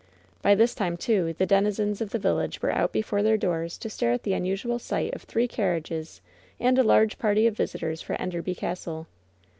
By this time, too, the denizens of the village were out before their doors to stare at the unusual sight of three carriages and a large party of visitors for Enderby Castle.